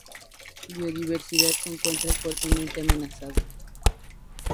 Biodiversidad: se encuentra fuertemente amenazada.